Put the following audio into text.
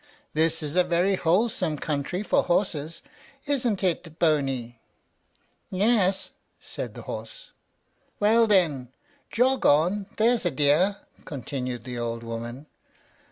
This is a very wholesome country for horses; isn't it, Boney?" "Yes," said the horse. "Well, then, jog on, there's a dear," continued the old woman.